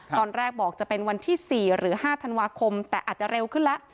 ตอนแรกบอกจะเป็นวันที่๔หรือ๕ธันวาคมแต่อาจจะเร็วขึ้นแล้ว